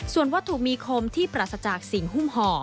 ส่วนวัตถุมีคมที่ปราศจากสิ่งหุ้มห่อ